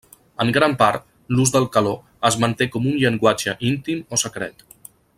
En gran part, l'ús del caló es manté com un llenguatge íntim o secret.